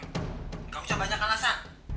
gak usah banyak alasan